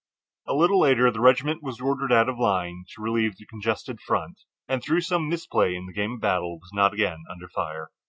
A little later the regiment was ordered out of line to relieve the congested front, and through some misplay in the game of battle was not again under fire.